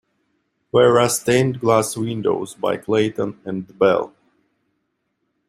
There are stained glass windows by Clayton and Bell.